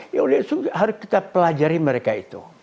ya udah harus kita pelajari mereka itu